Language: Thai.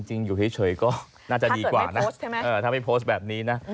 จริงอยู่เฉยก็น่าจะดีกว่านะถ้าไม่โพสต์แบบนี้นะ